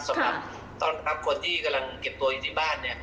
สำหรับคนที่กำลังเก็บตัวอยู่ในบ้าน